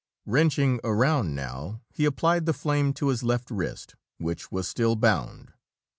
Wrenching around now, he applied the flame to his left wrist, which was still bound.